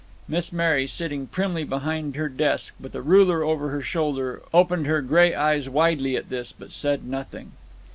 Miss Mary, sitting primly behind her desk, with a ruler over her shoulder, opened her gray eyes widely at this, but said nothing.